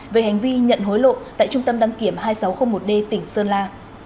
về hành vi nhận hối lộ tại trung tâm đăng kiểm hai nghìn sáu trăm linh một d tỉnh sơn la